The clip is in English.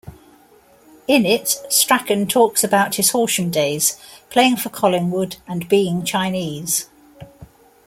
In it, Strauchan talks about his Horsham days, playing for Collingwood, and being Chinese.